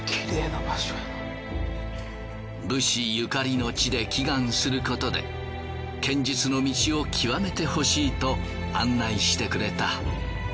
武士ゆかりの地で祈願することで剣術の道を究めてほしいと案内してくれた。